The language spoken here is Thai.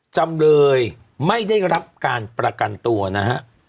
จำเลยไม่ได้รับการประกันตัวนะฮะ